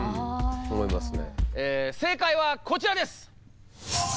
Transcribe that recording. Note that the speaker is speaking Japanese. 正解はこちらです。